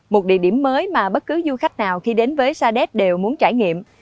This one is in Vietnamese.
một địa điểm mới mà bất cứ du khách nào khi đến với sa đéc đều muốn trải nghiệm